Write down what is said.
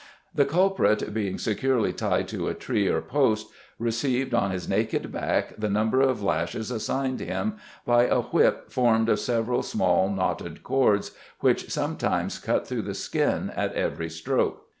The culprit being securely tied to a tree or post receives on his naked back the number of lashes assigned him by a whip formed of several small knotted cords which sometimes cut through the skin at every stroke.